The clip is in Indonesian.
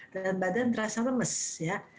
dan badan terasa lemes ya